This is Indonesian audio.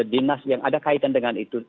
dinas yang ada kaitan dengan itu